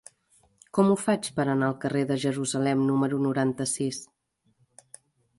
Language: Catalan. Com ho faig per anar al carrer de Jerusalem número noranta-sis?